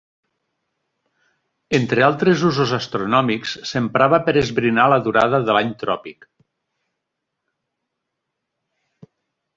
Entre altres usos astronòmics s'emprava per esbrinar la durada de l'any tròpic.